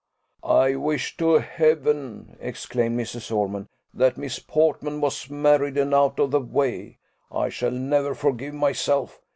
"I wish to Heaven!" exclaimed Mrs. Ormond, "that Miss Portman was married, and out of the way I shall never forgive myself!